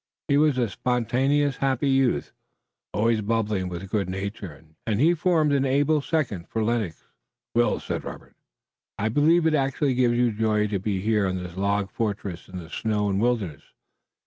He was a spontaneously happy youth, always bubbling with good nature, and he formed an able second for Lennox. "Will," said Robert, "I believe it actually gives you joy to be here in this log fortress in the snow and wilderness.